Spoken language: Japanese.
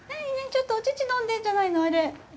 ちょっとお乳飲んでるんじゃないの？